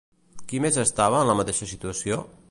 Qui més estava en la mateixa situació?